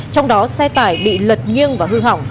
trong đó xe tải bị lật nghiêng và hư hỏng